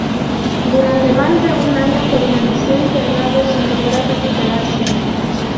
Durante más de un año permaneció internado sin lograr recuperarse.